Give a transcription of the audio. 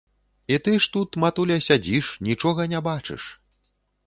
І ты ж тут, матуля, сядзіш, нічога не бачыш.